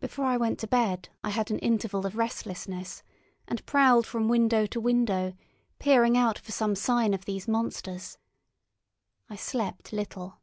Before I went to bed I had an interval of restlessness, and prowled from window to window, peering out for some sign of these monsters. I slept little.